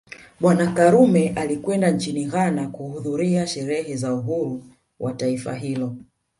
Bwana Karume alikwenda nchini Ghana kuhudhuria sherehe za uhuru wa taifa hilo